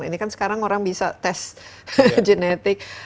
ini kan sekarang orang bisa tes genetik